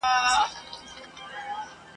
هره زرکه زما آواز نه سی لرلای `